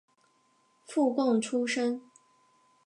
附贡出身。